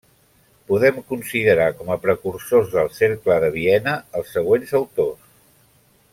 Podem considerar com a precursors del Cercle de Viena als següents autors.